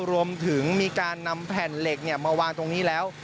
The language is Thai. รวมถึงมีการนำแผ่นเหล็กมาวางตรงนี้แล้ว